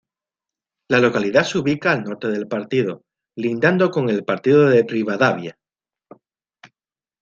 La localidad se ubica al norte del partido, lindando con el partido de Rivadavia.